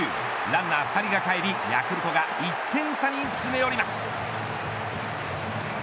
ランナー２人がかえりヤクルトが１点差に詰め寄ります。